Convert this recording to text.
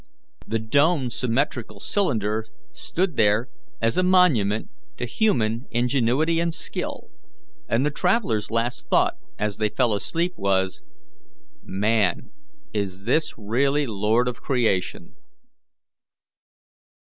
The domed symmetrical cylinder stood there as a monument to human ingenuity and skill, and the travellers' last thought as they fell asleep was, "Man is really lord of creation."